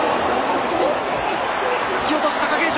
突き落とし、貴景勝。